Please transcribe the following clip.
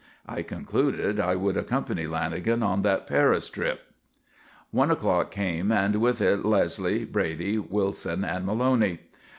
I concluded I would accompany Lanagan on that Paris trip. One o'clock came, and with it Leslie, Brady, Wilson, and Maloney.